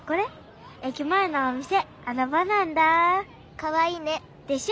かわいいね。でしょ？